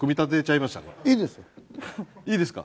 いいですか？